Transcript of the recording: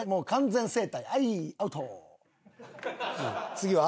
次は？